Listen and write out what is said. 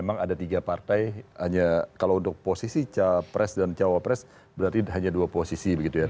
memang ada tiga partai hanya kalau untuk posisi capres dan cawapres berarti hanya dua posisi begitu ya